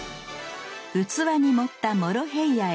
器に盛ったモロヘイヤへ。